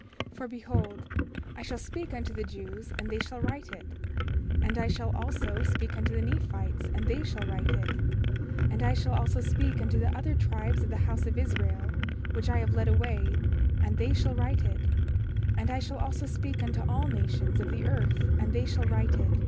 29:12 For behold, I shall speak unto the Jews and they shall write it; and I shall also speak unto the Nephites and they shall write it; and I shall also speak unto the other tribes of the house of Israel, which I have led away, and they shall write it; and I shall also speak unto all nations of the earth and they shall write it.